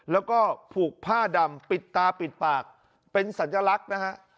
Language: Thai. แล้วก็ผูกผ้าดำปิดตาปิดปากเป็นสัญลักษณ์นะฮะ